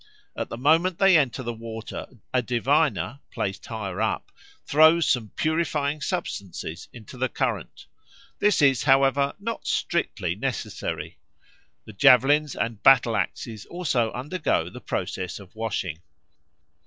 At the moment they enter the water a diviner, placed higher up, throws some purifying substances into the current. This is, however, not strictly necessary. The javelins and battle axes also undergo the process of washing."